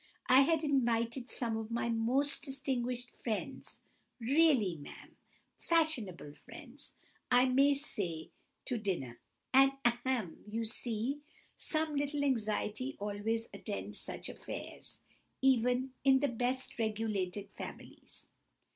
I had invited some of my most distinguished friends—really, ma'am, fashionable friends, I may say, to dinner; and, ahem! you see—some little anxiety always attends such affairs—even—in the best regulated families!"